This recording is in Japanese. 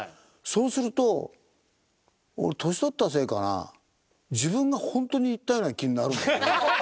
そうすると俺年取ったせいかな自分が本当に行ったような気になる。